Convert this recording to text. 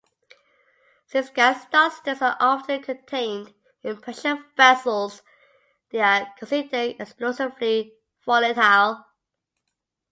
Since gas dusters are often contained in pressure vessels, they are considered explosively volatile.